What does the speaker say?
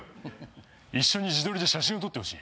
一緒に自撮りで写真を撮ってほしい？